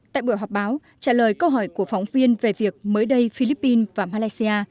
tại buổi họp báo trả lời câu hỏi của phóng viên về việc mới đây philippines và malaysia